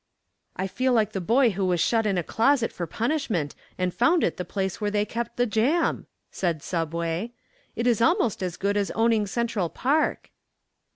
"I feel like the boy who was shut in a closet for punishment and found it the place where they kept the jam," said "Subway." "It is almost as good as owning Central Park."